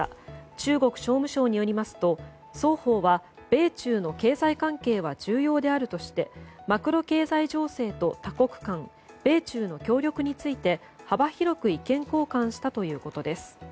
中国商務省によりますと双方は、米中の経済関係は重要であるとしてマクロ経済情勢と多国間米中の協力について幅広く意見交換したということです。